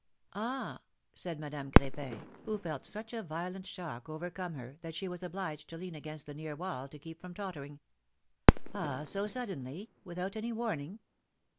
'^Ah !" said Madame Cr^pin, who felt such a violent shock overcome her, that she was obliged to lean against the near wall to keep from tottering. '^Ah! so suddenly? without any warning?"